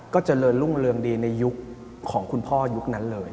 เจริญรุ่งเรืองดีในยุคของคุณพ่อยุคนั้นเลย